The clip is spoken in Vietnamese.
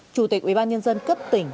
chủ tịch ủy ban nhân dân cấp tỉnh